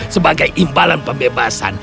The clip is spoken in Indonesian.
sebagai imbalan pembebasan